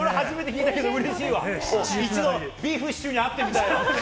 いつかビーフシチューに会ってみたいわ。